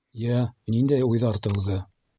Йә, ниндәй уйҙар тыуҙы?